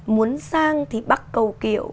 muốn sang thì bắc cầu kiệu